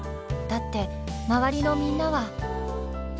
だって周りのみんなは。